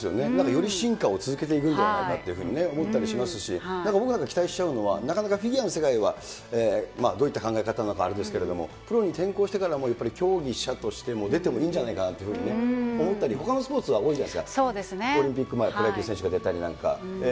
より進化を続けていくんではないかというふうに思ったりしますし、なんか僕らが期待しちゃうのは、なかなかフィギュアの世界はどういった考え方なのかあれですけど、プロに転向してからも、やっぱり競技者としても出てもいいんじゃないかというふうに思ったりね、ほかのスポーツは多いじゃないですか。